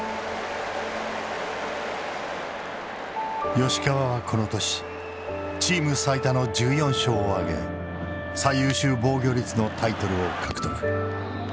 吉川はこの年チーム最多の１４勝を挙げ最優秀防御率のタイトルを獲得。